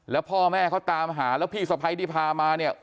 แล้วพ่อแม่เขาตามหาแล้วพี่สะพ้ายที่พามาเนี่ย